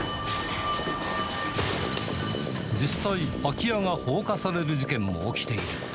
実際、空き家が放火される事件も起きている。